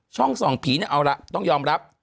ช่องส่องผีเนี่ยเอาละต้องยอมรับ